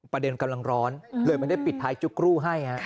ประเด็นกำลังร้อนเลยมันได้ปิดท้ายจุกรู่ให้